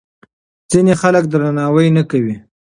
ځینې خلک درناوی نه کوي.